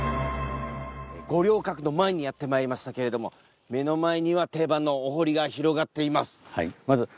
五稜郭の前にやって参りましたけれども目の前には定番のお堀が広がっています。